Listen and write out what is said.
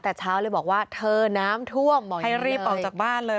แต่เช้าเลยบอกว่าเธอน้ำท่วมให้รีบออกจากบ้านเลย